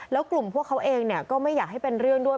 แล้วกลุ่มพวกเขาเองก็ไม่อยากให้เป็นเรื่องด้วย